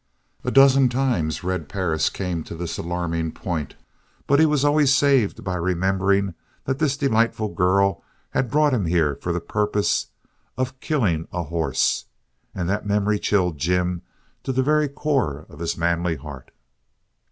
A dozen times Red Perris came to this alarming point, but he was always saved by remembering that this delightful girl had brought him here for the purpose of killing a horse. And that memory chilled Jim to the very core of his manly heart.